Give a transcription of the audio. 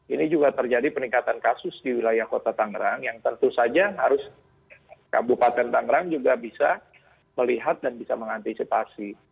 ini juga terjadi peningkatan kasus di wilayah kota tangerang yang tentu saja harus kabupaten tangerang juga bisa melihat dan bisa mengantisipasi